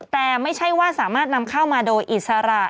แต่ไม่ใช่ว่าสามารถนำเข้ามาโดยอิสระ